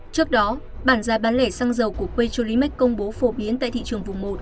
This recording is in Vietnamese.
trước đó bản giá bán lẻ xăng dầu của quay cholimex công bố phổ biến tại thị trường vùng một